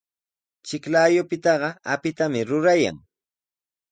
Chiklayupitaqa apitami rurayan.